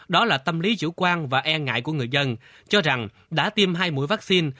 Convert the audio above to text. đó là tâm lý chủ quan và e ngại của người dân cho rằng đã tiêm hai mũi vaccine